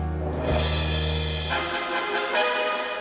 kenapa wajah kamu sedih begitu